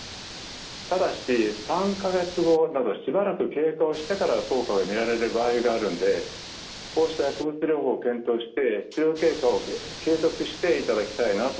ただし３か月後などしばらく経過をしてから効果が見られる場合があるのでこうした薬物療法を検討して治療経過を継続していただきたいなと思いますね。